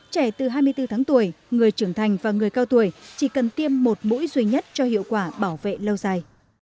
trẻ từ hai mươi bốn tháng tuổi người trưởng thành và người cao tuổi chỉ cần tiêm một mũi duy nhất cho hiệu quả bảo vệ lâu dài